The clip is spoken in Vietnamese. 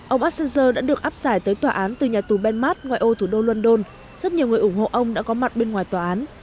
ông assanger đã được áp giải tới tòa án từ nhà tù benmart ngoài ô thủ đô london rất nhiều người ủng hộ ông đã có mặt bên ngoài tòa án